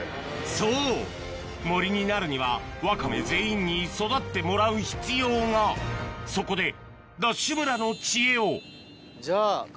そう森になるにはワカメ全員に育ってもらう必要がそこでじゃあ。